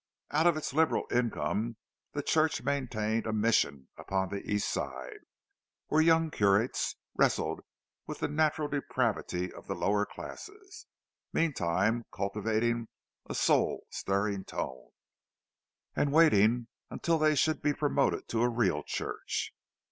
Out of its liberal income the church maintained a "mission" upon the East Side, where young curates wrestled with the natural depravity of the lower classes—meantime cultivating a soul stirring tone, and waiting until they should be promoted to a real church.